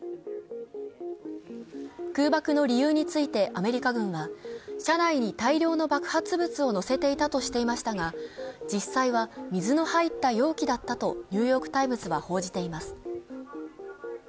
空爆の理由についてアメリカ軍は、車内に大量の爆発物を載せていたとしていましたが実際は水の入った容器だったと「ニューヨーク・タイムズ」は報じています。